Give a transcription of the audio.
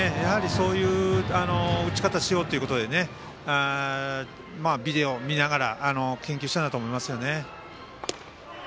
そういう打ち方をしようっていうことでビデオ見ながら研究したんだと思います。